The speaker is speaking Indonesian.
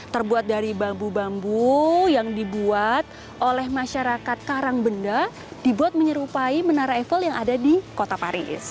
terbuat dari bambu bambu yang dibuat oleh masyarakat karangbenda dibuat menyerupai menara eiffel yang ada di kota paris